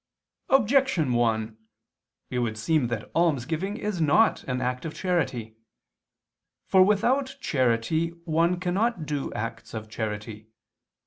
Objection 1: It would seem that almsgiving is not an act of charity. For without charity one cannot do acts of charity.